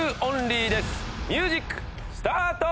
ミュージックスタート！